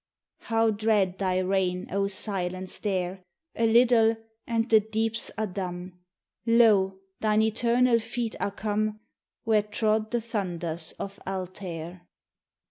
How dread thy reign, O Silence, there! A little, and the deeps are dumb Lo! thine eternal feet are come Where trod the thunders of Altair.